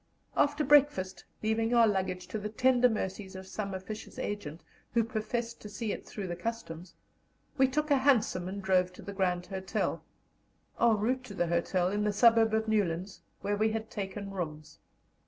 After breakfast, leaving our luggage to the tender mercies of some officious agent, who professed to see it "through the Customs," we took a hansom and drove to the Grand Hotel, en route to the hotel, in the suburb of Newlands, where we had taken rooms.